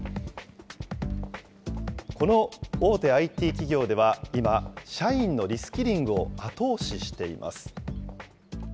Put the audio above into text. この大手ＩＴ企業では今、社員のリスキリングを後押ししています。